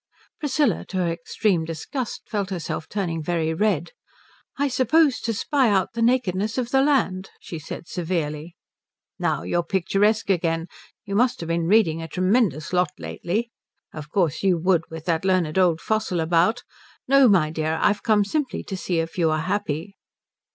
Priscilla to her extreme disgust felt herself turning very red. "I suppose to spy out the nakedness of the land," she said severely. "Now you're picturesque again. You must have been reading a tremendous lot lately. Of course you would, with that learned old fossil about. No my dear, I've come simply to see if you are happy."